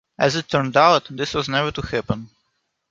As it turned out, this was never to happen.